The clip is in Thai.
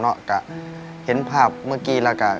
กะเห็นภาพเมื่อกี้แล้วก็